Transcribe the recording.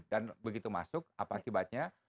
dan begitu masuk apa akibatnya